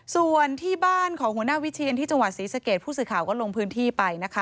ส่วนที่บ้านของหัวหน้าวิเชียนที่จังหวัดศรีสเกตผู้สื่อข่าวก็ลงพื้นที่ไปนะคะ